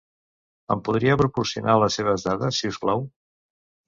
Em podria proporcionar les seves dades, si us plau?